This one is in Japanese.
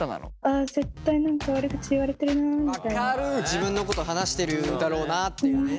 自分のこと話してるだろうなっていうね。